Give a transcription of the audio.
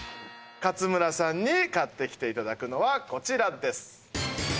勝村さんに買ってきて頂くのはこちらです。